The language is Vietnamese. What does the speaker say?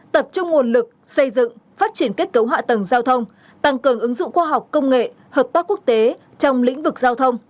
tập trung nguồn lực xây dựng phát triển kết cấu hạ tầng giao thông tăng cường ứng dụng khoa học công nghệ hợp tác quốc tế trong lĩnh vực giao thông